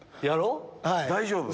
大丈夫？